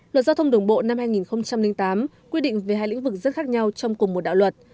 luật giao thông đường bộ năm hai nghìn tám quy định về hai lĩnh vực rất khác nhau trong cùng một đạo luật